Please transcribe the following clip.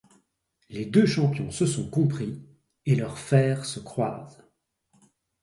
Les deux champions se sont compris, et leurs fers se croisent.